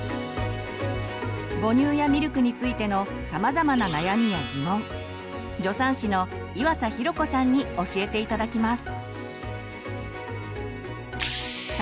母乳やミルクについてのさまざまな悩みやギモン助産師の岩佐寛子さんに教えて頂きます。